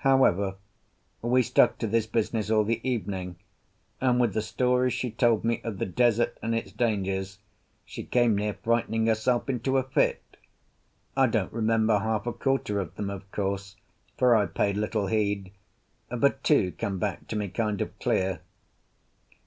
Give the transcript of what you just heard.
However, we stuck to this business all the evening, and, with the stories she told me of the desert and its dangers, she came near frightening herself into a fit. I don't remember half a quarter of them, of course, for I paid little heed; but two come back to me kind of clear.